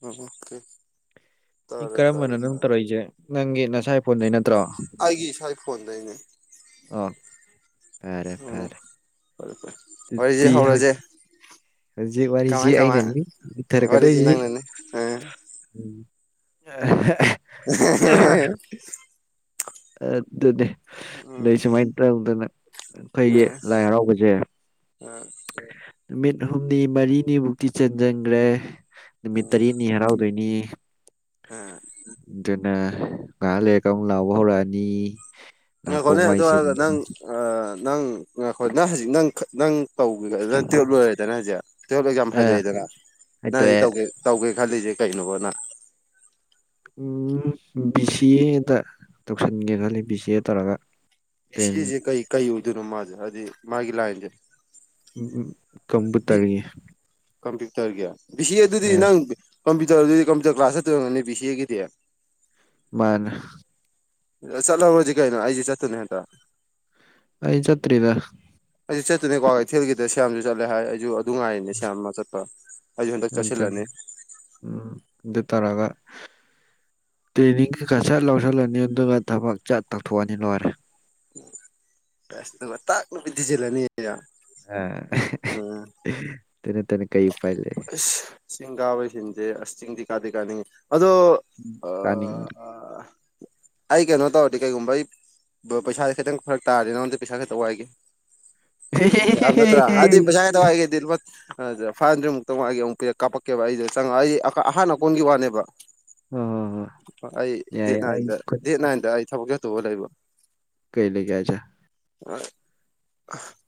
[unintelligible] ꯀꯦ ꯁꯤ ꯀꯔꯝꯕꯅ ꯅꯪ ꯇꯧꯔꯛꯏꯁꯦ ꯅꯪꯒꯤ ꯅꯁꯥꯏ ꯐꯣꯟꯗꯩ ꯅꯠꯇ꯭ꯔꯣ ꯑꯩꯒꯤ ꯏꯁꯥꯏ ꯐꯣꯟꯗꯩꯅꯤ ꯑꯣ ꯐꯔꯦ ꯎꯝ ꯐꯔꯦ ꯐꯔꯦ ꯐꯔꯦ ꯋꯥꯔꯤꯁꯦ ꯑꯗꯨꯗꯤ ꯍꯧꯔꯁꯦ ꯍꯧꯖꯤꯛ ꯍꯧꯖꯤꯛ ꯋꯥꯔꯤꯁꯤ ꯀꯃꯥꯏ ꯀꯃꯥꯏ ꯑꯩꯅꯅꯤ ꯋꯥꯔꯤꯁꯦ ꯂꯤꯊꯔꯛꯀꯗꯣꯏꯁꯤ [inaudible] ꯅꯪꯅꯅꯦ ꯑꯥ ꯍ‌ꯦ ꯍ‌ꯦ [unintelligible] ꯑꯗꯨꯗꯤ ꯎꯝ ꯑꯗꯩ ꯁꯨꯃꯥꯏꯅ ꯇꯧꯗꯅ ꯑꯈꯣꯏꯒꯤ ꯎꯝ ꯂꯥꯏ ꯍꯔꯥꯎꯕꯁꯦ ꯎꯝ ꯅꯨꯃꯤꯠ ꯍꯨꯝꯅꯤ ꯃꯔꯤꯅꯤꯃꯨꯛꯇꯤ ꯆꯟꯖꯟꯒ꯭ꯔꯦ ꯎꯝ ꯅꯨꯃꯤꯠ ꯇꯔꯦꯠꯅꯤ ꯍꯔꯥꯎꯗꯣꯏꯅꯤ ꯎꯝ ꯉꯥꯏꯍꯥꯛ ꯂꯩꯔꯒ ꯑꯃꯨꯛ ꯂꯥꯎꯕ ꯍꯧꯔꯛꯑꯅꯤ ꯉꯥꯏꯈꯣꯅꯦ ꯅꯥꯀꯣꯡ ꯋꯥꯏ ꯑꯗꯨ ꯍꯥꯏꯔꯒ ꯆꯤꯡꯕꯅꯤ ꯅꯪ ꯅꯪ ꯉꯥꯏꯈꫭ ꯅꯪ ꯍꯧꯖꯤꯛ ꯅꯪ ꯅꯪ ꯇꯧ ꯅꯪ ꯇꯨꯌꯦꯜꯞ ꯂꯣꯏꯔꯦꯗꯅ ꯍꯧꯖꯤꯛ ꯇꯨꯌꯦꯜꯞ ꯑꯦꯛꯖꯥꯝ ꯑꯥ ꯍꯥꯏꯗꯣꯛꯑꯦꯗꯅ ꯅꯪ ꯍꯧꯖꯤ ꯍꯥꯏꯇꯣꯛꯑꯦ ꯇꯧꯒꯦ ꯇꯧꯒꯦ ꯈꯜꯂꯤꯁꯤ ꯀꯩꯅꯣꯕ ꯅꯪ ꯎꯝ ꯕꯤ ꯁꯤ ꯑꯦꯗ ꯇꯧꯁꯟꯒꯦ ꯈꯜꯂꯤ ꯕꯤ ꯁꯤ ꯑꯦ ꯇꯧꯔꯒ ꯕꯤ ꯁꯤ ꯇ꯭ꯔꯦꯟ ꯑꯦ ꯁꯦ ꯀꯩ ꯀꯩ ꯑꯣꯏꯗꯣꯏꯅꯣ ꯃꯥꯁꯦ ꯍꯥꯏꯗꯤ ꯃꯥꯒꯤ ꯂꯥꯏꯟꯁꯦ ꯀꯝꯄꯨ ꯕꯤ ꯇꯔꯒꯤ ꯀꯝꯄ꯭ꯌꯨꯇꯔꯒꯤ ꯕꯤ ꯁꯤ ꯑꯦꯗꯨꯗꯤ ꯅꯪ ꯀꯝꯄ꯭ꯨꯇꯔꯗꯨꯗꯤ ꯀꯝ꯭ꯌꯨꯇꯔ ꯀ꯭ꯂꯥꯁ ꯆꯠꯇꯣꯏ ꯑꫭꯏꯔꯝꯅꯤ ꯕꯤ ꯁꯤ ꯑꯦꯒꯤꯗꯤ ꯃꯥꯅꯤ ꯆꯠꯂꯧꯔꯖꯤꯁꯤ ꯀꯩꯅꯣ ꯑꯩꯁꯨ ꯆꯠꯇꯣꯢꯅꯦ ꯍꯟꯇꯛ ꯑꯩ ꯆꯠꯇ꯭ꯔꯤꯗ ꯑꯩꯁꯨ ꯆꯠꯇꯨꯅꯦ ꯀ꯭ꯋꯥ ꯀꯩꯊꯦꯜꯒꯤꯗ ꯁꯌꯥꯝꯁꯨ ꯆꯠꯂꯦ ꯍꯥꯏ ꯑꯩꯁꯨ ꯑꯗꯨ ꯉꯥꯏꯔꯤꯅꯦ ꯁꯌꯥꯝꯃ ꯆꯠꯄ ꯑꯩꯁꯨ ꯍꯟꯗꯛ ꯑꯗꯨ ꯆꯠꯁꯤꯜꯂꯅꯤ ꯎꯝ ꯑꯗꯨ ꯇꯔꯑꯒ ꯇ꯭ꯔꯦꯅꯤꯡꯒꯩꯀ ꯁꯠ ꯂꯧꯁꯤꯜꯂꯅꯤ ꯑꯗꯨꯒ ꯊꯕꯛ ꯆꯠ ꯇꯧꯊꯣꯛꯑꯅꯤ ꯂꯣꯏꯔꯦ ꯑꯁ ꯇꯥꯛ ꯅꯨꯄꯤ ꯊꯤꯖꯤꯂꯅꯤ ꯑꯗꯨꯒ ꯑꯥ [unintelligible] ꯎꯝ ꯑꯗꯨ ꯅꯠꯇꯅ ꯀꯔꯤ ꯎꯄꯥꯏ ꯂꯩ ꯑꯁ ꯆꯤꯡ ꯀꯥꯕꯁꯤꯡꯟꯁꯦ ꯑꯁ ꯆꯤꯡꯗꯤ ꯀꯥꯗꯗꯤ ꯀꯥꯅꯤꯡꯉꯤ ꯑꯗꯣ ꯀꯥꯅꯤꯡ ꯑꯩ ꯀꯩꯅꯣ ꯇꯧꯔꯇꯤ ꯀꯩꯀꯨꯨꯝꯕꯥꯏ ꯄꯩꯁꯥ ꯈꯤꯇꯪ ꯐꯔꯛ ꯇꯥꯔꯗꯤ ꯅꯪꯉꯣꯟꯗ ꯄꯩꯁꯥ ꯈꯤꯇ ꯋꯥꯏꯦ ꯌꯥꯕꯅꯠꯇ꯭ꯔ ꯍꯥꯏꯗꯤ [unintelligible] ꯑꯗꯨ ꯐꯥꯏꯚ ꯍꯟꯗ꯭ꯔꯦꯗꯃꯨꯛꯇꯪ ꯃꯥ ꯑꯩꯒ ꯑꯃꯨꯛ ꯄꯦ ꯀꯥꯞꯀꯦꯕ ꯑꯩꯁꯗ ꯆꯪꯉꯛ ꯑꯩ ꯑꯍꯟ ꯑꯥꯀꯣꯟꯒꯤ ꯋꯥꯅꯦꯕ ꯍꯣ ꯍꯣ ꯍꯣꯏ ꯑꯩ ꯗꯦꯠ ꯌꯥꯏ ꯑꯩ ꯅꯥꯏꯟꯗ ꯈꯨꯠ ꯗꯦꯠ ꯅꯥꯏꯟꯗ ꯑꯩ ꯊꯕꯛ ꯆꯥꯠꯇꯧꯕ ꯂꯩꯕ ꯀꯩ ꯂꯩꯒꯦ ꯍꯥꯏꯖꯦ [unintelligible]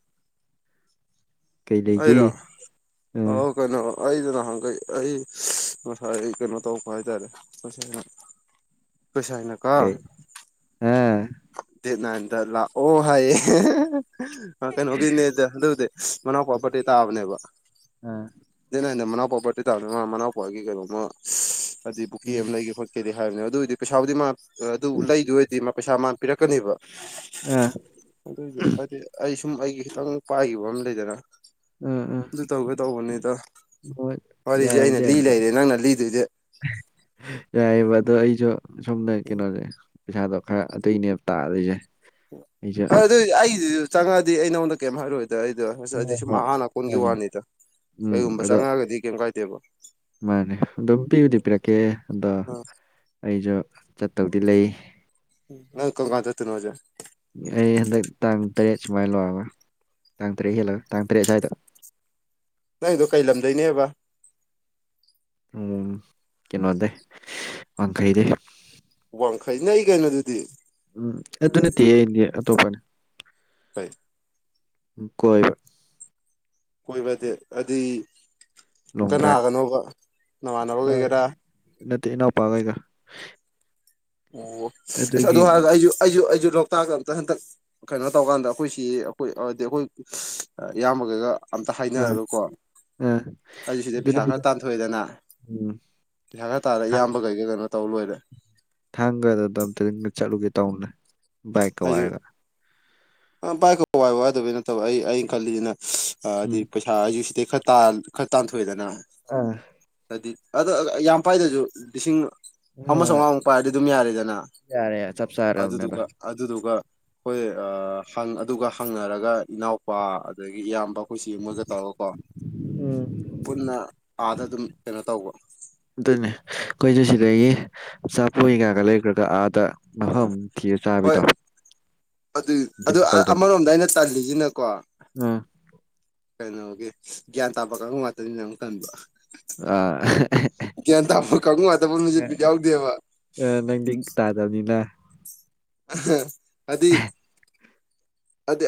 ꯀꯩ ꯂꯩꯒꯦ ꯑꯩꯔꯣ ꯑꯥ [unintelligible] ꯀꯩꯅꯣ ꯑꯩꯗꯨ ꯅꯍꯥꯟꯈꯩ ꯑꯩ ꯉꯁꯥꯏ ꯀꯩꯅꯣ ꯇꯧꯕ ꯍꯥꯏꯇꯥꯔꯦ ꯑꯈꯣꯏ ꯁꯥꯏꯅ ꯀꯣ ꯀꯩ ꯑꯥ ꯗ‌ꯦꯠ ꯅꯥꯏꯟꯗ ꯂꯥꯛ ꯑꯣ ꯍꯥꯏꯌꯦ [unintelligible] ꯑ ꯀꯩꯅꯣꯒꯤꯅꯦꯗ ꯑꯗꯨꯗꯤ ꯃꯅꯥꯎ ꯄ ꯕꯥꯔꯗ‌ꯦ ꯇꯥꯕꯅꯦꯕ ꯑꯥ [unintelligible] ꯅꯥꯟꯗ ꯃꯅꯥꯎꯄ ꯕꯥꯔꯗꯦ ꯇꯥꯕꯅꯤ ꯃꯅꯥꯎꯄꯥꯒꯤ ꯀꯩꯅꯣꯃ ꯍꯥꯏꯗꯤ ꯕꯨꯛꯀꯤ ꯑꯃ ꯂꯩꯒꯦ ꯈꯣꯠ ꯀꯩꯗꯤ ꯍꯥꯏꯕꯅꯦ ꯑꯗꯨ ꯑꯣꯏꯔꯗꯤ ꯄꯩꯁꯥꯕꯨꯗꯤ ꯃꯥ ꯑꯗꯨ ꯂꯩꯗꯣꯏ ꯑꯣꯏꯔꯗꯤ ꯃꯥ ꯄꯩꯁꯥ ꯃꯥ ꯄꯤꯔꯛꯀꯅꯦꯕ ꯑꯥ ꯑꯗꯨꯏꯁꯨ ꯍꯥꯏꯗꯤ ꯑꯩ ꯁꯨꯝ ꯑꯩꯒꯤ ꯈꯤꯇꯪ ꯄꯥꯏꯈꯤꯕ ꯑꯃ ꯂꯩꯗꯅ ꯑꯥ ꯑꯥ ꯑꯗꯨ ꯇꯧꯒꯦ ꯇꯧꯕꯅꯤ ꯍꯣꯏ ꯌꯥꯔꯕꯨꯗꯤ ꯌꯥꯗ ꯂꯩꯔꯦ ꯅꯪꯅ ꯂꯤꯗꯣꯏꯗꯤ ꯌꯥꯌꯦꯕ ꯑꯗꯣ ꯑꯩꯁꯨ ꯁꯣꯝꯅ ꯀꯩꯅꯣꯔꯦ ꯄꯩꯁꯥꯗꯣ ꯈꯔ ꯑꯇꯩꯅꯦꯕ ꯇꯥꯜꯂꯤꯁꯦ ꯑꯩꯁꯨ ꯍꯣꯏ ꯑꯗꯨꯏꯗꯤ ꯑꯩꯗꯨꯁꯨ ꯆꯪꯉꯛꯑꯗꯤ ꯑꯩ ꯅꯉꯣꯟꯗ ꯀꯌꯨꯝ ꯍꯥꯏꯔꯛ ꯑꫭꯏꯗ ꯑꯗ ꯑꯩꯗꯣ ꯍꯣꯏ ꯍꯣꯏ ꯑꯩꯗꯤ ꯁꯨꯝ ꯍꯥꯟꯅ ꯀꯣꯟꯒꯤ ꯃꯥꯅꯦ ꯋꯥꯅꯤꯗ ꯎꯝ ꯀꯩꯒꯨꯝꯕ ꯑꯗꯣ ꯆꯪꯉꯛꯑꯒꯗꯤ ꯀꯩꯝ ꯀꯥꯏꯗꯦꯕ ꯃꯥꯅꯦ ꯑꯗꯨꯝ ꯄꯤꯕꯨꯗꯤ ꯄꯤꯔꯛꯀꯦ ꯑꯗꯣ ꯑꯥ ꯑꯩꯁꯨ ꯆꯠꯇꯧꯗꯤ ꯂꯩ ꯅꯪ ꯀꯔꯝ ꯀꯟ ꯆꯠꯇꯨꯅꯣ ꯍꯥꯏꯁꯦ ꯑꯩ ꯍꯟꯗꯛ ꯇꯥꯡ ꯇꯔꯦꯠ ꯁꯨꯃꯥꯏꯅ ꯂꯣꯏꯔꯒ ꯇꯥꯡ ꯇꯔꯦꯠ ꯍꯦꯜꯂꯒ ꯇꯥꯡ ꯇꯔꯦꯠ ꯁ꯭ꯋꯥꯏꯗ ꯅꯪꯗꯣ ꯀꯩ ꯂꯝꯗꯩꯩꯅꯦꯕ ꯎꯝ ꯀꯩꯅꯣꯗꯩꯩ ꯋꯥꯡꯈꯩꯗꯤ ꯋꯥꯡꯈꯩ ꯅꯪꯛ ꯏ ꯀꯩꯅꯣꯗꯨꯗꯤ ꯎꯝ ꯑꯗꯨ ꯅꯠꯇꯍꯦ ꯑꯩꯗꯤ ꯑꯇꯣꯞꯄꯅꯦ [unintelligible] ꯀꯣꯏꯕ ꯀꯣꯏꯕꯗꯤ ꯑꯗꯤ ꯂꯣꯡ ꯗ꯭ꯔꯥꯏꯚ ꯀꯅꯥꯒꯅꯣꯕ ꯅꯃꯥꯟꯅꯕ ꯑꯥ ꯀꯩꯀꯦꯔꯥ ꯅꯠꯇꯦ ꯏꯅꯥꯎꯄꯥꯒꯩꯒ ꯑꯣ ꯑꯁ ꯑꯗꯨ ꯑꯗꯨꯒꯤ ꯍꯥꯏꯔ ꯑꯩꯁꯨ ꯑꯩꯁꯨ ꯑꯩꯁꯨ ꯂꯣꯛꯇꯥꯛ ꯑꯝꯇ ꯍꯟꯇꯛ ꯀꯩꯅꯣ ꯇꯧꯀꯥꯟꯗ ꯑꯩꯈꯣꯏꯁꯤ ꯑꯩꯈꯣꯏ ꯍꯥꯏꯗꯤ ꯑꯩꯈꯣꯏ ꯏꯌꯥꯝꯕꯒꯩꯒ ꯑꯝꯇ ꯑꯥ ꯍꯥꯏꯅꯔꯒꯀꯣ ꯑꯥ ꯑꯩ ꯁꯤꯗꯩ ꯑꯗꯨꯅꯦ ꯄꯩꯁꯥ ꯈꯔ ꯑꯩꯁꯨ ꯇꯥꯟꯊꯣꯛꯑꯦꯗꯅ ꯎꯝ ꯄꯩꯁꯥ ꯈꯥꯔ ꯇꯥꯠꯂ ꯏꯌꯥꯝꯕ ꯑꯩꯒꯥꯀꯩ ꯀꯩꯅꯣ ꯇꯧ ꯂꯣꯏꯔꯦ ꯊꯥꯡꯒꯗ ꯑꯝꯇ ꯆꯠꯂꯨꯒꯦ ꯇꯧꯅ ꯕꯥꯏꯛꯀ ꯋꯥꯏꯔꯒ ꯑ ꯕꯥꯏꯛ ꯋꯥꯏ ꯋꯥꯗꯕꯩ ꯅꯠꯇꯕ ꯑꯩ ꯑꯩꯅ ꯈꯜꯂꯤꯁꯤꯅꯗꯤ ꯎꯝ ꯑꯩꯁꯨ ꯁꯤꯗꯩꯩ ꯈꯥꯔ ꯈꯔ ꯇꯥꯟꯊꯣꯛꯑꯦꯗꯅ ꯑꯥ ꯍꯥꯏꯗꯤ ꯑꯗꯣ ꯌꯥꯝ ꯄꯥꯏꯗꯁꯨ ꯂꯤꯁꯤꯡ ꯑꯃ ꯍꯣꯏ ꯆꯝꯉꯥꯃꯨꯛ ꯄꯥꯏꯔꯗꯤ ꯑꯗꯨꯝ ꯌꯥꯔꯦꯗꯅ ꯌꯥꯔꯦ ꯆꯞ ꯆꯥꯔꯕꯅꯦꯗ ꯑꯗꯨꯗꯨꯒ ꯑꯗꯨꯗꯨꯒ ꯑꯩꯈꯣꯏ ꯑꯥ ꯍꯪ ꯑꯗꯨꯒ ꯍꯪꯅꯔꯒ ꯏꯅꯥꯎꯄꯥ ꯑꯗꯒꯤ ꯏꯌꯥꯝꯕ ꯑꯩꯈꯣꯏꯁꯤ ꯃꯣꯏꯒ ꯇꯧꯔꯒ ꯀꯣ ꯎꯝ ꯄꯨꯟꯅ ꯑꯥꯗ ꯑꯗꯨꯝ ꯀꯩꯅꯣ ꯇꯧꯕ ꯑꯗꯨꯅꯤ ꯑꯩꯈꯣꯏꯁꯨ ꯁꯤꯗꯒꯤ ꯆꯥꯄꯣꯏꯒꯩꯒꯥ ꯂꯩꯒ꯭ꯔꯒ ꯑꯥꯗ ꯃꯐꯝ ꯊꯤꯔ ꯍꯣꯏ ꯆꯥꯕꯤꯗꯣ ꯑꯗꯨ ꯑꯗꯨ ꯇꯧꯗꯣꯏ ꯑꯃꯔꯣꯝꯗ ꯑꯩꯅ ꯇꯜꯂꯤꯁꯤꯅꯀꯣ ꯑ ꯀꯩꯅꯣꯒꯤ ꯒ꯭ꯌꯥꯟ ꯇꯥꯕ ꯉꯥꯛꯇꯅꯤꯅ ꯑꯃꯨꯛ ꯇꯟꯕ ꯑꯥ ꯒ꯭ꯌꯥꯟ ꯇꯥꯕ ꯀꯥꯡꯕꯨꯨ ꯉꯥꯛꯇꯥ ꯄꯨꯟꯕꯁꯤ ꯕꯤꯠ ꯌꯥꯎꯗꯦꯕ ꯑꯦ ꯅꯪꯗꯤ ꯇꯥꯗꯕꯅꯤꯅ ꯑ ꯑꯗꯤ ꯍꯥꯏꯗꯤ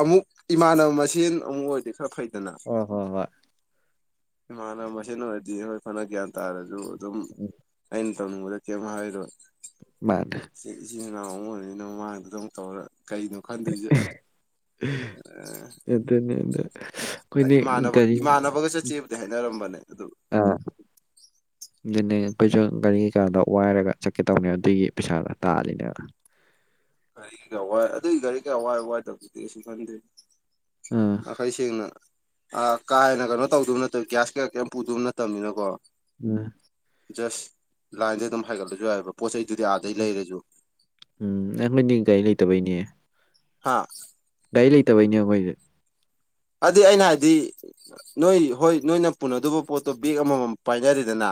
ꯑꯃꯨꯛ ꯏꯃꯥꯟꯅꯕ ꯃꯁꯦꯟ ꯑꯃꯨꯛ ꯑꯣꯏꯔꯗꯤ ꯈꯔ ꯐꯩ ꯑꯗꯨꯅ ꯍꯣꯏ ꯍꯣꯏ ꯍꯣꯏ ꯏꯃꯥꯟꯅꯕ ꯃꯁꯦꯟ ꯑꯣꯏꯔꯗꯤ ꯑꯩꯈꯣꯏ ꯐꯅ ꯒ꯭ꯌꯥꯟ ꯇꯥꯔꯁꯨ ꯑꯗꯨꯝ ꯎꯝ ꯑꯩꯅ ꯇꯧꯅꯤꯡꯕꯗ ꯀꯩꯝ ꯍꯥꯏꯔꯣꯏ ꯃꯥꯅꯦ ꯏꯆꯤꯜ ꯏꯅꯥꯎ ꯑꯃ ꯑꯣꯏꯔꯅꯤꯅ ꯃꯃꯥꯡꯗꯨ ꯇꯧꯔ ꯀꯩꯅꯣ ꯈꯟꯗꯣꯏꯁꯦ ꯌꯦꯇꯔ꯭ꯦꯅꯦ ꯑꯗꯨ ꯏꯃꯥꯟꯅꯕ ꯒꯥꯔꯤ ꯏꯃꯥꯟꯅꯕꯒ ꯆꯠꯆꯦꯕꯨꯗꯤ ꯍꯥꯏꯅꯔꯝꯕꯅꯦ ꯑꯗꯨ ꯑꯥ ꯑꯗꯨꯅꯦ ꯑꯩꯈꯣꯏꯁꯨ ꯒꯥꯔꯤ ꯀꯩꯀꯥꯗ ꯋꯥꯏꯔꯒ ꯆꯠꯀꯦ ꯇꯧꯅꯦ ꯑꯗꯨꯏꯒꯤ ꯄꯩꯁꯥꯗꯣ ꯇꯥꯜꯂꯤꯅꯦꯕ ꯒꯥꯔꯤꯒ ꯋꯥꯏ ꯑꯗꯨꯒꯤ ꯒꯥꯔꯤ ꯀ ꯑꯋꯥꯏ ꯋꯥꯏ ꯇꯕꯗꯨꯗꯤ ꯀꯩꯁꯨ ꯈꯟꯗꯦ ꯑꯥ ꯅꯥꯈꯩ ꯁꯦꯡꯅ ꯑ ꯀꯥ ꯍꯦꯟꯅ ꯀꯩꯅꯣ ꯇꯧꯗꯕ ꯅꯠꯇꯕ ꯒ꯭ꯌꯥꯁ ꯀꯌꯥ ꯀꯩ ꯄꯨꯗꯕ ꯅꯠꯇꯕꯅꯤꯅꯀꯣ ꯎꯝ ꯖꯁ ꯂꯥꯏꯟꯗ ꯑꯗꯨꯝ ꯍꯥꯏꯒꯠꯂꯁꯨ ꯍꯥꯏꯌꯦꯕ ꯄꯣꯠ ꯆꯩꯩꯗꯨꯗꯤ ꯑꯥꯗꯩ ꯂꯩꯔꯁꯨ ꯎꯝ ꯑꯩꯈꯣꯏꯗꯤ ꯒꯥꯔꯤ ꯂꯩꯇꯕꯩꯅꯦ ꯍꯥ ꯒꯥꯔꯤ ꯂꯩꯇꯕꯩꯅꯦ ꯑꯩꯈꯣꯏꯁꯦ ꯑꯗꯨꯗꯤ ꯑꯩꯅ ꯍꯥꯏꯗꯤ ꯅꯣꯏ ꯍꯣꯏ ꯅꯣꯏꯅ ꯄꯨꯅꯗꯧꯕ ꯄꯣꯠꯇꯣ ꯕꯦꯛ ꯑꯃꯃꯝ ꯄꯥꯏꯅꯔꯦꯗꯅ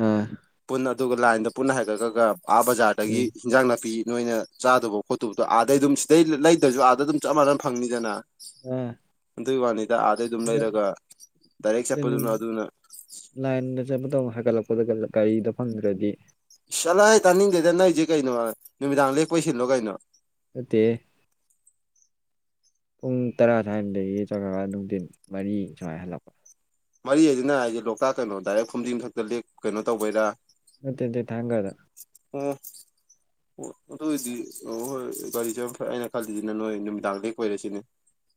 ꯑꯥ ꯄꯨꯟꯅ ꯑꯗꯨꯒ ꯂꯥꯏꯟꯗ ꯄꯨꯟꯅ ꯍꯥꯏꯒꯠꯂꯒ ꯑꯥ ꯕꯖꯥꯔꯗꯒꯤ ꯎꯝ ꯏꯟꯖꯥꯡ ꯅꯥꯄꯤ ꯅꯣꯏꯅ ꯆꯥꯗꯕ ꯈꯣꯠꯇꯕꯗꯣ ꯑꯥꯗꯩ ꯑꯗꯨꯝ ꯁꯤꯗꯩ ꯂꯩꯇ꯭ꯔꯁꯨ ꯑꯥꯗ ꯑꯗꯨꯝ ꯆꯞ ꯃꯥꯟꯅꯅ ꯐꯪꯅꯤꯗꯅ ꯑꯥ ꯑꯗꯨꯏ ꯋꯥꯅꯤꯗ ꯑꯥꯗꯩ ꯑꯗꯨꯝ ꯂꯩꯔꯒ ꯗꯥꯏꯔꯦꯛ ꯑꯗꯨꯅꯤ ꯆꯠꯄꯗꯨꯅ ꯑꯗꯨꯅ ꯂꯥꯏꯟꯗ ꯆꯠꯄꯗꯧ ꯍꯥꯏꯒꯠꯂꯛꯄꯗ ꯒꯥꯔꯤꯗ ꯐꯪꯗ꯭ꯔꯗꯤ ꯆꯠꯂꯥꯏ ꯇꯥꯅꯤꯡꯗꯦꯗ ꯅꯣꯏꯁꯤ ꯀꯩꯅꯣ ꯅꯨꯃꯤꯗꯥꯡ ꯂꯦꯛꯄꯣꯏꯁꯤꯜꯂꯣ ꯀꯩꯅꯣ ꯅꯥꯠꯇꯦꯍꯦ ꯄꯨꯡ ꯇꯔꯥ ꯁ꯭ꯋꯥꯏꯝꯗꯒꯤ ꯆꯠ꯭ꯔꯒ ꯅꯨꯡꯊꯤꯟ ꯃꯔꯤ ꯁꯨꯃꯥꯏꯅ ꯍꯜꯂꯛꯄ ꯃꯔꯤ ꯍꯥꯏꯁꯤꯅ ꯍꯥꯏꯁꯦ ꯂꯣꯛꯇꯥꯛ ꯀꯩꯅꯣ ꯗꯥꯏꯔꯦꯛ ꯐꯨꯝꯗꯤꯡꯊꯛꯇ ꯂꯦꯛ ꯀꯩꯅꯣ ꯇꯧꯕꯩꯔꯥ ꯅꯥꯠꯇꯦ ꯅꯥꯠꯇꯦ ꯊꯥꯡꯒꯗ ꯑꯣ ꯑꯣ ꯑꯗꯨꯑꯣꯏꯗꯤ ꯑꯣ ꯍꯣꯏ ꯒꯥꯔꯤꯁꯦ ꯆꯥꯠꯄꯥꯅ ꯐꯩ ꯑꯩꯅ ꯈꯜꯂꯤꯁꯤꯅ ꯅꯣꯏ ꯅꯨꯃꯤꯗꯥꯡ ꯂꯦꯛꯄꯩꯔꯥꯁꯤꯅꯤ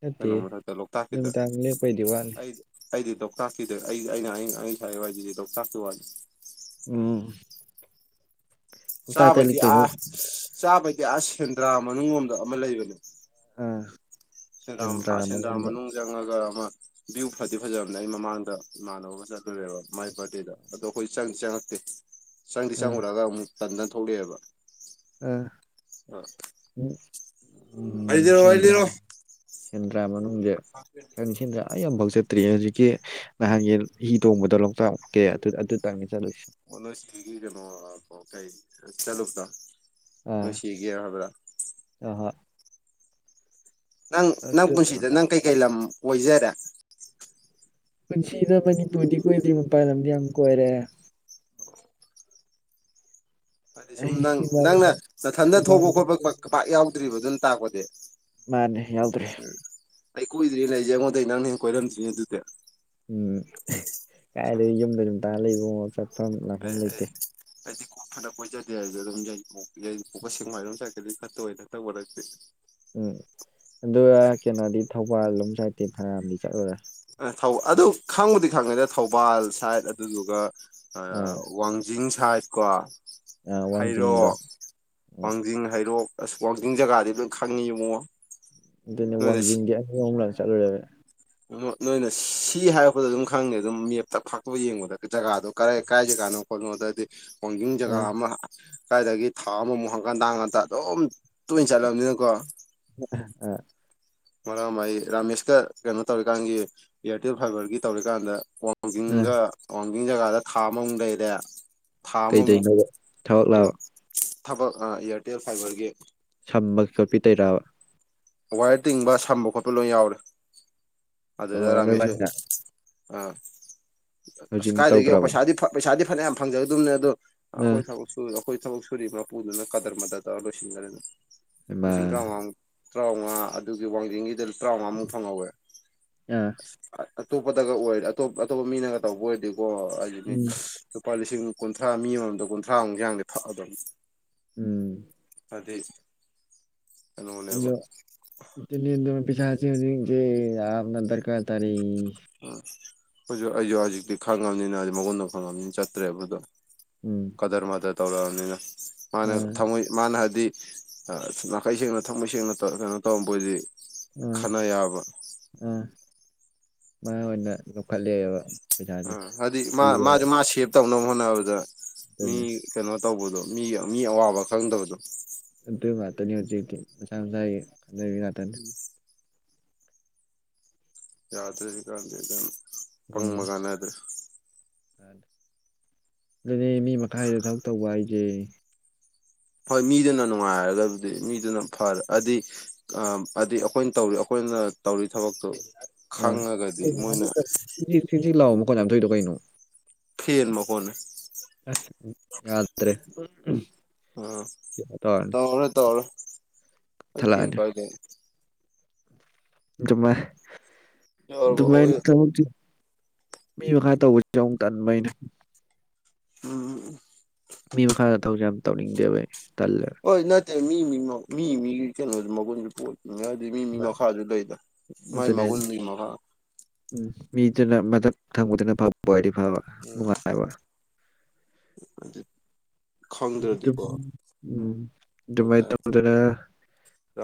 ꯅꯠꯇꯦ ꯀꯩꯅꯣ ꯃꯊꯛꯇꯥ ꯂꯧꯇꯥꯛꯀꯤꯗ ꯅꯨꯃꯤꯗꯥꯡ ꯂꯦꯛꯄꯩꯗꯤ ꯋꯥꯠꯂꯤ ꯑꯩ ꯑꯩꯗꯤ ꯂꯣꯛꯇꯥꯛꯀꯤꯗ ꯑꯩ ꯑꯩꯅ ꯁꯅꯤꯡꯋꯥꯁꯤꯗꯤ ꯋꯥ ꯍꯥꯏꯁꯤꯗꯤ ꯂꯣꯛꯇꯥꯛꯀꯤ ꯋꯥꯅꯤ ꯎꯝ ꯂꯣꯛꯇꯥꯛꯇ ꯆꯥꯕꯩꯗꯤ ꯑ ꯂꯤꯛꯇꯣꯏꯅꯤ ꯆꯥꯕꯩꯗꯤ ꯑ ꯁꯦꯟꯗ꯭ꯔꯥ ꯃꯅꯨꯡ ꯂꯣꯝꯗ ꯑꯃꯥ ꯂꯩꯕꯅꯦ ꯑꯥ ꯁꯦꯟꯗ꯭ꯔꯥ ꯃꯅꯨꯡꯗ ꯆꯪꯉꯒꯥ ꯑꯃꯥ ꯚ꯭ꯌꯨ ꯐꯗꯤ ꯐꯖꯕꯅꯦ ꯑꯩ ꯃꯃꯥꯡꯗ ꯏꯃꯥꯟꯅꯕ ꯑꯃꯥ ꯆꯠꯂꯨꯔꯦꯕ ꯃꯥꯏ ꯕꯥꯔꯗꯦꯗ ꯑꯗꯣ ꯑꯩꯈꯣꯏ ꯆꯪ ꯆꯪꯉꯛꯇꯦ ꯆꯪꯗꯤ ꯑꯥ ꯆꯪꯉꯨꯔꯒꯥ ꯑꯃꯨꯛ ꯇꯟꯗꯅ ꯊꯣꯛꯂꯛꯑꯦꯕ ꯑꯥ ꯑ ꯎꯝ ꯂꯤꯔꯣ ꯑꯩ ꯁꯦꯟꯗ꯭ꯔꯥ ꯂꯤꯔꯣ ꯁꯦꯟꯗ꯭ꯔꯥ ꯃꯅꯨꯡꯁꯦ ꯈꯤꯅꯤ ꯁꯦꯟꯗ꯭ꯔꯥ ꯑꯩ ꯌꯥꯝꯐꯥꯎ ꯆꯦ [unintelligible] ꯆꯠꯇ꯭ꯔꯤ ꯍꯧꯖꯤꯛꯀꯤ ꯅꯍꯥꯟꯒꯤ ꯍꯤ ꯇꯣꯡꯕꯗꯣ ꯂꯣꯛꯇꯥꯛꯀꯦ ꯑꯗꯨ ꯑꯗꯨꯇꯪ ꯆꯠꯂꯨꯁꯤ ꯑꯣ ꯅꯣꯏꯆꯦꯒꯤ ꯀꯩꯅꯣ ꯀꯩ ꯆꯠꯂꯨꯕ꯭ꯔꯣ ꯅꯣꯏꯆꯦꯒꯤ ꯍꯥꯏꯕ꯭ꯔꯥ ꯑꯥ ꯍꯣꯏ ꯅꯪ ꯅꯪ ꯑꯗꯨ ꯄꯨꯟꯁꯤꯗ ꯅꯪ ꯀꯩꯀꯩ ꯂꯝ ꯀꯣꯏꯖꯔꯦ ꯄꯨꯟꯁꯤꯗ ꯃꯅꯤꯄꯨꯔꯗꯤ ꯀꯣꯏꯗ꯭ꯔꯤ ꯃꯄꯥꯟ ꯂꯝꯗꯤ ꯌꯥꯝ ꯀꯣꯏꯔꯦ ꯍꯥꯏꯗꯤ ꯁꯨꯝ ꯑꯩ ꯅꯪ ꯏꯃꯥ ꯂꯩꯄꯥꯛ ꯅꯪꯅ ꯅꯊꯟꯗ ꯊꯣꯛꯄ ꯃꯥꯅꯤ ꯈꯣꯠꯄ ꯄꯥꯛ ꯌꯥꯎꯗ꯭ꯔꯤꯕ ꯑꯗꯨꯅ ꯇꯥꯛꯄꯗꯤ ꯃꯥꯅꯦ ꯌꯥꯎꯗ꯭ꯔꯦ ꯎꯝ ꯑꯩ ꯀꯣꯏꯗ꯭ꯔꯤ ꯂꯩꯖꯦ ꯑꯩꯉꯣꯟꯗꯩ ꯅꯪꯅ ꯍꯦꯟꯅ ꯀꯣꯏꯔꯝꯗ꯭ꯔꯤꯅꯦ ꯑꯗꯨꯗꯤ ꯎꯝ ꯀꯥꯏꯗꯩ ꯌꯨꯝꯗ ꯑꯗꯨꯝ ꯇꯥ ꯂꯩꯕꯑꯣ ꯆꯠꯐꯝ ꯂꯥꯛꯐꯝ ꯂꯩꯇꯦ ꯑꯩꯗꯤꯀꯣ ꯐꯅ ꯀꯣꯏꯖꯗꯦ ꯍꯥꯏꯖꯨ ꯑꯗꯨꯝ ꯌꯥꯏꯔꯤꯄꯣꯛ ꯌꯥꯏꯔꯤꯄꯣꯛꯀ ꯁꯦꯛꯃꯥꯏꯔꯣꯝ ꯁꯥꯏꯗ ꯀꯗꯤ ꯈꯔ ꯇꯣꯏꯔꯦ ꯍꯟꯗꯛ ꯃꯔꯛꯇꯤ ꯎꯝ ꯑꯗꯨꯒ ꯀꯩꯅꯣꯗꯤ ꯊꯧꯕꯥꯜ ꯂꯣꯝ ꯁꯥꯏꯗꯇꯤ ꯐꯅꯥꯌꯥꯝꯗꯤ ꯆꯠꯂꯨꯔꯦ ꯑ ꯊꯧ ꯑꯗꯨ ꯈꯪꯕꯨꯗꯤ ꯈꯪꯉꯦꯗ ꯊꯧꯕꯥꯜ ꯁꯥꯏꯗ ꯑꯗꯨꯗꯨꯒ ꯑ ꯑꯥ ꯋꯥꯡ ꯖꯤꯡ ꯁꯥꯏꯗ ꯀꯣ ꯑꯥ ꯋꯥꯡꯖꯤꯡꯗꯣ ꯍꯩꯔꯣꯛ ꯎꯝ ꯋꯥꯡꯖꯤꯡ ꯍꯩꯔꯣꯛ ꯑꯁ ꯋꯥꯡꯖꯤꯡ ꯖꯒꯥꯥꯗꯤ ꯂꯣꯏ ꯈꯪꯉꯤ ꯏꯕꯨꯡꯉꯣ ꯑꯗꯨꯅꯦ ꯅꯣꯏꯅ ꯋꯥꯡꯖꯤꯡꯗꯤ ꯑꯅꯤ ꯑꯍꯨꯝꯂꯛ ꯆꯠꯂꯨꯔꯦꯃꯤ ꯅꯣ ꯅꯣꯏꯅ ꯁꯤ ꯍꯥꯏꯔꯛꯄꯗ ꯑꯗꯨꯝ ꯈꯪꯅꯤ ꯑꯗꯨꯝ ꯃꯦꯞꯇ ꯐꯥꯛꯇꯣꯛꯑ ꯌꯦꯡꯕꯗ ꯖꯒꯥꯗꯣ ꯀꯔꯥꯏ ꯀꯥꯏ ꯖꯒꯥꯅꯣ ꯀꯣꯅꯣꯗꯗꯤ ꯋꯥꯡꯖꯤꯡ ꯖꯒꯥ ꯑꯥ ꯑꯃ ꯀꯥꯏꯗꯒꯤ ꯊꯥ ꯑꯃꯃꯨꯛ ꯍꯪꯀꯠ ꯍꯟꯗꯥ ꯍꯪꯀꯠ ꯍꯟꯗꯥ ꯑꯗꯨꯝ ꯇꯣꯏꯅ ꯆꯠꯂꯕꯅꯤꯅꯀꯣ [unintelligible] ꯃꯔꯥꯛ ꯑꯃ ꯑꯩ ꯔꯥꯃꯦꯁꯀ ꯀꯩꯅꯣ ꯇꯧꯔꯤꯀꯥꯟꯒꯤ ꯏꯌꯥꯔꯇꯦꯜ ꯐꯥꯏꯕꯔꯒꯤ ꯇꯧꯔꯤꯀꯥꯟꯗ ꯋꯥꯡ ꯑꯥ ꯋꯥꯡꯖꯤꯡꯒ ꯋꯥꯡꯖꯤꯡ ꯖꯒꯥꯗ ꯊꯥ ꯑꯃꯃꯨꯛ ꯂꯩꯔꯦ ꯊꯥ ꯑꯃꯃꯨꯛ ꯀꯩꯗꯩꯅꯣꯕ ꯊꯕꯛꯂꯥꯕ ꯊꯕꯛ ꯑ ꯏꯌꯥꯔꯇꯦꯜ ꯐꯥꯏꯕꯔꯒꯤ ꯁꯝꯕ ꯈꯣꯠꯄꯤ ꯇꯩꯔꯕ ꯋꯥꯌꯔ ꯇꯤꯡꯕ ꯁꯝꯕ ꯈꯣꯠꯄ ꯂꯣꯏ ꯌꯥꯎꯔꯦ ꯑꯗꯨꯗ ꯑꯣ ꯔꯥꯃꯦꯁꯨ ꯅꯣꯏꯕꯥꯅꯤꯅ ꯑꯥ ꯑꯁ ꯍꯧꯖꯤꯛ ꯀꯥꯏꯗꯒꯤ ꯇꯧꯗ꯭ꯔꯕ ꯄꯩꯁꯥꯗꯤ ꯄꯩꯁꯥꯗꯤ ꯐꯅꯌꯥꯝ ꯐꯪꯖꯒꯗꯝꯅꯦ ꯑꯗꯣ ꯑꯥ ꯑꯈꯣꯏ ꯊꯕꯛ ꯁꯨꯔꯤꯕ ꯑꯈꯣꯏ ꯊꯕꯛ ꯁꯨꯔꯤꯕ ꯃꯄꯨꯗꯨꯅ ꯀꯗꯔ ꯃꯗꯔ ꯇꯧꯔ ꯂꯣꯏꯁꯤꯟꯒꯔꯦ ꯑꯗꯨꯝ ꯍꯩꯃꯥ ꯂꯤꯁꯤꯡ ꯇꯔꯥꯝꯉꯥ ꯃꯨꯛ ꯇꯔꯥꯝꯉꯥ ꯑꯗꯨꯒꯤ ꯋꯥꯡꯖꯤꯡꯒꯤꯗ ꯇꯔꯥꯝꯉꯥ ꯃꯨꯛ ꯐꯪꯍꯧꯋꯦ ꯑꯥ ꯑ ꯑꯇꯣꯞꯄꯗꯒ ꯑꯣꯏꯔꯗꯤ ꯑꯇꯣꯞꯄ ꯑꯇꯣꯞꯄ ꯃꯤꯅꯒ ꯇꯧꯕ ꯑꯣꯏꯔꯗꯤꯀꯣ ꯍꯥꯏꯖꯤꯅꯤ ꯎꯝ ꯂꯨꯄꯥ ꯂꯤꯁꯤꯡ ꯀꯨꯟꯊ꯭ꯔꯥ ꯃꯤ ꯑꯃꯃꯝꯗ ꯀꯨꯟꯊ꯭ꯔꯥꯃꯨꯛ ꯌꯥꯡꯗꯤ ꯐꯛꯑꯗꯕꯅꯤ ꯎꯝ ꯑꯗꯤ ꯀꯩꯅꯣꯅꯦꯕ [unintelligible] ꯎꯝ ꯈꯣꯏꯖꯨ ꯑꯩꯖꯨ ꯍꯧꯖꯤꯛꯇꯤ ꯈꯪꯉꯕꯅꯤꯅ ꯍꯧꯖꯤꯛ ꯃꯒꯨꯟꯗꯨ ꯈꯪꯉꯕꯅꯤꯅ ꯆꯠꯇ꯭ꯔꯦꯕ ꯑꯗꯣ ꯎꯝ ꯀꯥꯗꯔ ꯃꯥꯗꯔ ꯇꯧꯔꯛꯑꯕꯅꯤꯅ ꯃꯥꯅ ꯑꯥ ꯊꯝꯃꯣꯏ ꯃꯥꯅ ꯍꯥꯏꯕꯗꯤ ꯑ ꯅꯥꯈꯩ ꯁꯦꯡꯅ ꯊꯝꯃꯣꯏ ꯁꯦꯡꯅ ꯇꯧꯔ ꯀꯩꯅꯣ ꯇꯧꯔꯝꯕ‌ ꯑꯣꯏꯗꯤ ꯑꯥ ꯈꯅ ꯌꯥꯕ ꯑꯥ ꯃꯥ ꯑꯣꯏꯅ ꯂꯧꯈꯠꯂꯦꯕ ꯄꯩꯁꯥꯁꯦ ꯑ ꯍꯥꯏꯗꯤ ꯃꯥ ꯄꯨꯔꯦꯕ ꯃꯥꯗꯤ ꯃꯥ ꯁꯦꯞ ꯇꯧꯅꯕ ꯍꯣꯠꯅꯕꯗ ꯃꯤ ꯑꯗꯨꯅꯤ ꯀꯩꯅꯣ ꯇꯧꯕꯗꯣ ꯃꯤꯒꯤ ꯃꯤ ꯑꯋꯥꯕ ꯈꯪꯗꯕꯗꯣ ꯑꯗꯨ ꯉꯥꯛꯇꯅꯤ ꯍꯧꯖꯤꯛꯇꯤ ꯃꯁꯥ ꯃꯁꯥꯒꯤ ꯈꯟꯅꯕꯤ ꯉꯥꯛꯇꯅꯤ [inaudible] ꯌꯥꯗ꯭ꯔꯗꯤ ꯀꯥꯟꯗꯦ ꯑꯗꯨꯅ ꯄꯪꯕ ꯎꯝ ꯀꯥꯟꯅꯗ꯭ꯔꯦ ꯑꯗꯨꯅꯦ ꯃꯤ ꯃꯈꯥꯏꯗ ꯊꯕꯛ ꯇꯧꯕ ꯍꯥꯏꯖꯦ ꯍꯣꯏ ꯃꯤꯗꯨꯅ ꯅꯨꯡꯉꯥꯏꯔꯒꯕꯨꯗꯤ ꯃꯤꯗꯨꯅ ꯐꯔꯛꯑꯗꯤ ꯑꯝ ꯑꯗꯤ ꯑꯈꯣꯏꯅ ꯇꯧꯔꯤ ꯑꯈꯣꯏꯅ ꯇꯧꯔꯤ ꯊꯕꯛꯇꯣ ꯈꯪꯉꯒꯗꯤ ꯃꯣꯏꯅ [unintelligible] ꯐꯦꯟ ꯃꯈꯣꯟꯅꯦ [unintelligible] ꯎꯝ ꯇꯧꯔꯅꯤ ꯇꯧꯔꯔꯣꯏ ꯇꯧꯔꯔꯣꯏ ꯑꯩ ꯐꯦꯟ ꯊꯠꯂꯛꯑꯅꯤ ꯄꯥꯏꯗꯥꯏꯅꯦ ꯑꯗꯨꯃꯥꯏ ꯌꯥꯎꯔꯕ ꯑꯗꯨꯃꯥꯏꯟ ꯑꯣ ꯊꯕꯛꯁꯤ ꯃꯤ ꯃꯈꯥ ꯇꯧꯕꯁꯤ ꯑꯃꯨꯛ ꯇꯟꯕ ꯑꯩꯅ ꯎꯝ ꯃꯤ ꯃꯈꯥꯗ ꯊꯕꯛꯁꯦ ꯌꯥꯝ ꯇꯧꯅꯤꯡꯗꯦꯕꯥ ꯑꯩ ꯇꯜꯂꯦ ꯑꯣꯏ ꯅꯠꯇꯦ ꯃꯤ ꯃꯤ ꯃ ꯃꯤ ꯃꯤ ꯀꯩꯅꯣ ꯃꯒꯨꯟꯖꯨ ꯄꯣꯟ ꯉ ꯑꯗꯨꯗꯤ ꯃꯤ ꯃꯤ ꯃꯈꯥꯁꯨ ꯂꯩꯗ ꯃꯥꯏ ꯑꯗꯨꯅꯦ ꯃꯒꯨꯟꯗꯨ ꯃꯈꯥ ꯎꯝ ꯃꯤꯗꯨꯅ ꯃꯊꯛ ꯊꯪꯕꯗꯨꯅ ꯐꯕ ꯑꯣꯗꯤ ꯐꯕ ꯅꯨꯡꯉꯥꯏꯕ ꯑꯗꯨꯠ ꯗꯨꯝ ꯎꯝ ꯗꯨꯃꯥꯏꯅ ꯍꯥꯏꯇꯥꯔꯦ ꯇꯧꯗꯅ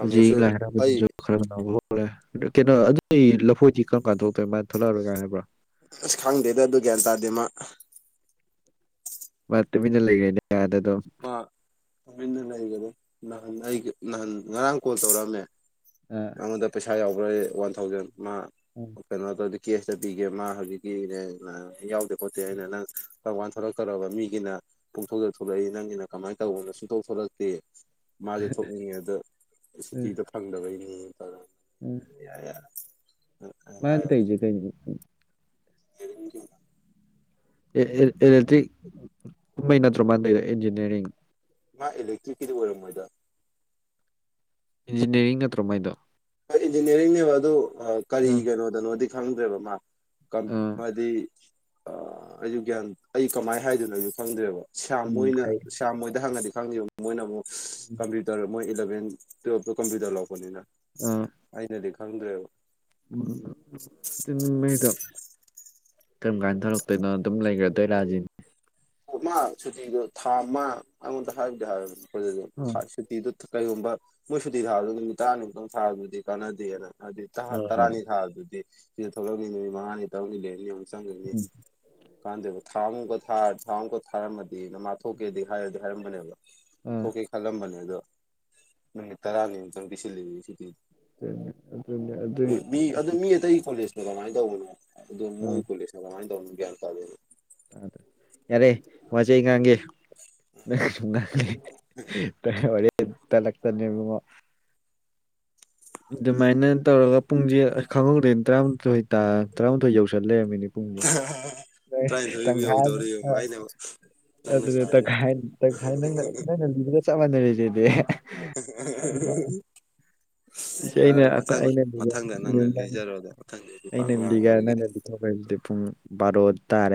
ꯍꯨꯖꯤꯛ ꯂꯥꯏ ꯑꯩ ꯍꯔꯥꯎꯕꯖꯤꯖꯨ ꯈꯔ [unintelligible] ꯍꯣꯠꯂꯦ ꯀꯩꯅꯣ ꯑꯗꯨꯗꯤ ꯂꯐꯣꯏꯗꯤ ꯀꯝ ꯀꯥꯟ ꯊꯣꯛꯂꯛꯇꯣꯏ ꯃꯥ ꯊꯣꯛꯂꯛꯑꯔꯣꯏꯒ ꯍꯥꯏꯕ꯭ꯔꯣ ꯑꯁ ꯈꯪꯗꯦꯗ ꯑꯗꯨ ꯒ꯭ꯌꯥꯟ ꯇꯥꯗꯦ ꯃꯥ ꯃꯥ ꯇꯨꯃꯤꯟꯅ ꯂꯩꯔꯦꯅꯦ ꯑꯥꯗ ꯗꯨꯝ ꯑ ꯇꯨꯃꯤꯟꯅ ꯂꯩꯒꯔꯦ ꯅꯍꯥꯟ ꯑꯩꯒ ꯅꯍꯥꯟ ꯉꯔꯥꯡ ꯀꯣꯜ ꯇꯧꯔꯛꯑꯝꯃꯦ ꯑ ꯑꯉꯣꯟꯗ ꯄꯩꯁꯥ ꯌꯥꯎꯕ꯭ꯔꯌꯦ ꯋꯥꯟ ꯊꯥꯎꯖꯟ ꯃꯥ ꯎꯝ ꯀꯩꯅꯣ ꯇꯧꯗꯦ ꯀꯦꯁꯇꯥ ꯄꯤꯒꯦ ꯃꯥ ꯍꯧꯖꯤꯛꯀꯤꯅꯦ ꯃ ꯌꯥꯎꯗꯦ ꯈꯣꯠꯇꯦ ꯍꯥꯏꯅ ꯅꯪ ꯀꯔꯝꯀꯥꯟ ꯊꯣꯂꯛꯇꯣꯔꯕ ꯃꯤꯒꯤꯅꯥ ꯄꯨꯡꯊꯣꯛꯇꯥ ꯊꯣꯛꯂꯛꯏ ꯅꯪꯒꯤꯅ ꯀꯃꯥꯏꯟ ꯇꯧꯕꯅꯣ ꯁꯨꯛꯊꯣꯛ ꯊꯣꯛꯂꯛꯇꯦ ꯃꯥꯖꯨ ꯊꯣꯛꯅꯤꯡꯉꯦ ꯑꯗꯣ ꯎꯝ ꯁꯨꯇꯤꯗꯣ ꯐꯪ ꯐꯪꯗꯕꯩ ꯇꯧꯔꯝ ꯌꯥ ꯌꯥ ꯃꯥꯟ ꯇꯧꯖꯦ ꯀꯩ [unintelligible] [unintelligible] ꯑꯦ ꯑꯦ ꯑꯦꯂꯛꯇ꯭ꯔꯤꯛ ꯀꯨꯃꯩ ꯅꯠꯇ꯭ꯔꯣ ꯃꯥ ꯇꯣꯏꯗꯣ ꯏꯟꯖꯤꯅꯤꯌꯥꯔꯤꯡ ꯃꯥ ꯑꯦꯂꯦꯛꯇꯔ꯭ꯤꯛ ꯀꯤꯗꯤ ꯑꯣꯏꯔꯝ ꯃꯣꯏꯗ ꯏꯟꯖꯤꯅꯤꯌꯥꯔꯤꯡ ꯅꯠꯇ꯭ꯔꯣ ꯃꯥꯏꯗꯣ ꯍꯣꯏ ꯏꯟꯖꯤꯅꯤꯌꯥꯔꯤꯡꯅꯦꯕ ꯑꯗꯨ ꯀꯔꯤ ꯎꯝ ꯀꯩꯅꯣꯗꯅꯣꯗꯤ ꯈꯪꯗ꯭ꯔꯦꯕ ꯃꯥ ꯀꯝ ꯑ ꯍꯥꯏꯗꯤ ꯑ ꯑꯩꯖꯤ ꯒ꯭ꯌꯥꯟ ꯑꯩ ꯀꯃꯥꯏꯟ ꯍꯥꯏꯗꯣꯏꯅꯣ ꯑꯩꯁꯨ ꯈꯪꯗ꯭ꯔꯦꯕ ꯁ꯭ꯌꯥꯝ ꯎꯝ ꯃꯣꯏꯅ ꯀꯩ ꯁ꯭ꯌꯥꯝ ꯃꯣꯏꯗ ꯍꯪꯉꯗꯤ ꯈꯪꯅꯤꯕ ꯃꯣꯏꯅ ꯑꯃꯨꯛ ꯀꯝꯄ꯭ꯌꯨꯇꯔ ꯃꯣꯏ ꯏꯂꯚꯦꯟ ꯇꯨꯞꯇ ꯀꯝꯄ꯭ꯌꯨꯇꯔ ꯂꯧꯕꯅꯤꯅ ꯑ ꯑꯩꯅꯗꯤ ꯈꯪꯗ꯭ꯔꯦꯕꯥ [unintelligible] ꯀꯔꯝ ꯀꯥꯟ ꯊꯣꯛꯂꯛꯇꯣꯏꯕ ꯗꯨꯝ ꯂꯩꯈ꯭ꯔꯗꯣꯏꯔꯖꯤꯅꯤ ꯃꯥ ꯁꯨꯇꯤꯕꯨ ꯊꯥ ꯃꯥ ꯑꯉꯣꯟꯗ ꯍꯥꯏꯔꯛꯇꯦ ꯑ ꯍꯥꯏ [unintelligible] ꯇꯤꯗꯨ ꯀꯩꯒꯨꯝꯕ ꯃꯣꯏ ꯁꯨꯇꯤ ꯊꯥꯕꯗꯨ ꯅꯨꯃꯤꯠ ꯇꯔꯥꯅꯤꯃꯨꯛꯇꯪ ꯊꯥꯕꯗꯨꯗꯤ ꯀꯥꯟꯅꯗꯦꯅ ꯑꯗꯨꯗꯤ ꯇꯥ ꯑ ꯇꯔꯥꯅꯤ ꯊꯥꯗꯨꯗꯤ ꯁꯤꯗ ꯊꯣꯛꯂꯛꯅꯤ ꯅꯨꯃꯤꯠ ꯃꯉꯥꯅꯤ ꯇꯔꯨꯛꯅꯤ ꯂꯩꯅꯤ ꯑꯃꯨꯛ ꯆꯪꯒꯅꯤ ꯎꯝ ꯀꯥꯟꯗꯦꯕ [unintelligible] ꯃꯨꯛꯀ ꯊꯥꯔꯗꯤ ꯊꯥ ꯑꯃꯨꯛꯀ ꯊꯥꯔꯝꯃꯗꯤ ꯃꯥꯥ ꯊꯣꯛꯀꯦꯗꯤ ꯍꯥꯏꯗꯤ ꯍꯥꯏꯔꯝꯕꯅꯦꯕ ꯑ ꯊꯣꯛꯀꯦ ꯈꯜꯂꯝꯕꯅꯦ ꯑꯗꯣ ꯅꯨꯃꯤꯠ ꯇꯔꯥꯅꯤꯃꯨꯛꯇꯪ ꯄꯤꯁꯤꯜꯂꯤ ꯁꯨꯇꯤ ꯑꯗꯨꯅꯦ ꯑꯗꯨꯏ ꯎ ꯃꯤ ꯑꯗꯨ ꯃꯤ ꯑꯇꯩ ꯀꯣꯂꯦꯖ ꯀꯃꯥꯏ ꯇꯧꯕꯅꯣ ꯑꯗꯨ ꯑ ꯃꯣꯏ ꯀꯣꯂꯦꯖꯅ ꯀꯃꯥꯏ ꯇꯧꯕꯅꯣ ꯒ꯭ꯌꯥꯟ ꯇꯥꯗꯦꯕ ꯇꯥꯗ꯭ꯔꯦ ꯌꯥꯔꯦ ꯋꯥꯖꯦ ꯑꯩ ꯉꯥꯡꯒꯦ ꯅꯪꯅ ꯁꯨꯝ ꯉꯥꯡ ꯂꯩ [unintelligible] ꯍꯣꯔꯦꯟ ꯇꯂꯛꯇꯅꯦ ꯏꯕꯨꯉꯣ ꯗꯨꯃꯥꯏꯅ ꯇꯧꯔꯒꯥ ꯄꯨꯡꯖꯦ ꯈꯪꯍꯧꯗꯦꯟ ꯇꯔꯥꯃꯥꯊꯣꯏ ꯇꯥ ꯇꯔꯥꯃꯥꯊꯣꯏ ꯌꯧꯁꯜ ꯂꯩꯔꯃꯦꯅꯦ ꯄꯨꯡ [unintelligible] ꯇ꯭ꯔꯥꯏꯊꯣꯏꯕꯨ ꯑꯃ ꯌꯧꯗꯣꯔꯦ ꯌꯦꯡ ꯑꯥ ꯑꯩꯅ ꯅꯪꯅ ꯑꯗꯨꯅꯦ ꯁꯥꯏꯗꯣ ꯇꯪꯈꯥꯏ ꯇꯪꯈꯥꯏ ꯅꯪꯅ ꯅꯪꯅ ꯂꯤꯗꯨꯒ ꯆꯞ ꯃꯥꯟꯅꯔꯦꯖꯦꯗꯦ [unintelligible] [unintelligible] ꯏꯁ ꯑꯩꯅ ꯑꯥ ꯃꯊꯪ ꯑꯩꯅ ꯂꯤꯒ ꯃꯊꯪꯗ ꯅꯪꯅ ꯂꯤꯖꯔꯣꯗ ꯃꯊꯪꯗꯩꯗꯤ ꯄꯥꯛ ꯑꯩꯅ ꯂꯤꯒ ꯉꯥꯡꯉꯔꯣꯏ ꯅꯪꯅ ꯄꯤꯊꯣꯛꯈꯩꯗꯤ ꯄꯨꯡ ꯕꯥꯔꯣ ꯇꯥꯔꯦ